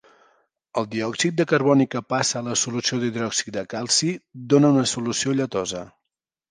El diòxid de carboni que passa a la solució d'hidròxid de calci dóna una solució lletosa.